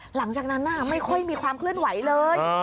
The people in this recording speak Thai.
หลังจากนั้นไม่ค่อยมีความเคลื่อนไหวเลย